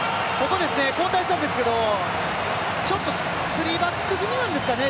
交代したんですけどちょっとスリーバック気味なんですかね